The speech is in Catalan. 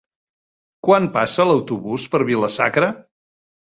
Quan passa l'autobús per Vila-sacra?